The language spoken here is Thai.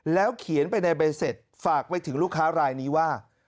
เขียนไปในใบเสร็จฝากไปถึงลูกค้ารายนี้ว่า